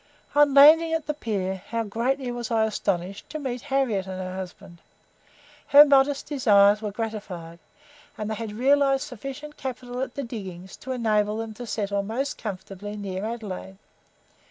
On landing at the pier, how greatly was I astonished to meet Harriette and her husband. Her modest desires were gratified, and they had realized sufficient capital at the diggings to enable them to settle most comfortably near Adelaide.